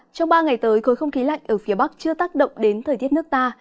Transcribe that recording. trong ba ngày tới khối không khí lạnh ở phía bắc chưa tác động đến thời tiết nước ta